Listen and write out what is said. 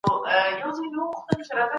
هيوادوال به خپلو سياسي موخو ته ژر ورسېږي.